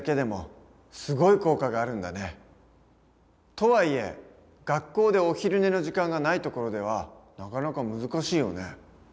とはいえ学校でお昼寝の時間がないところではなかなか難しいよね。